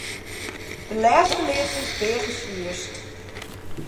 De lêste leadsjes weage swierst.